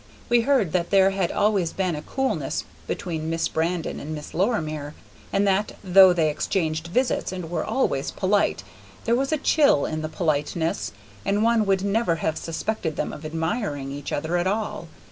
We heard that there had always been a coolness between Miss Brandon and Miss Lorimer, and that, though they exchanged visits and were always polite, there was a chill in the politeness, and one would never have suspected them of admiring each other at all.